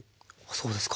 そうですか。